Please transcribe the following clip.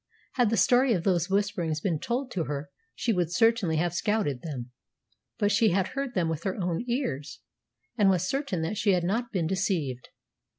Had the story of those whisperings been told to her she would certainly have scouted them; but she had heard them with her own ears, and was certain that she had not been deceived.